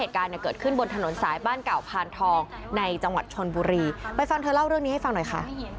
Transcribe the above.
เหมือนเก่าแล้วบีบแต่อะไรประมาณนี้ค่ะ